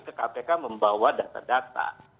ke kpk membawa data data